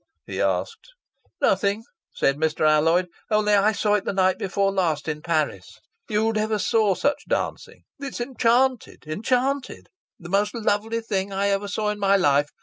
he asked. "Nothing," said Mr. Alloyd. "Only I saw it the night before last in Paris. You never saw such dancing. It's enchanted enchanted! The most lovely thing I ever saw in my life.